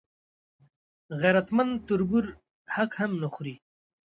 غیرتمند د تربور حق هم نه خوړوي